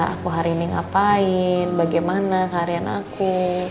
aku hari ini ngapain bagaimana keharian aku